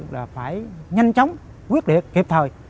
là phải nhanh chóng quyết định kịp thời